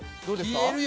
どうですか？